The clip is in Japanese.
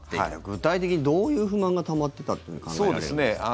具体的にどういう不満がたまってたって考えられるんですか？